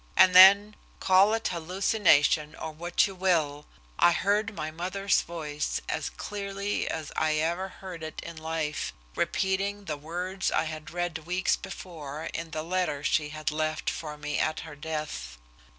And then call it hallucination or what you will I heard my mother's voice, as clearly as I ever heard it in life, repeating the words I had read weeks before in the letter she had left for me at her death.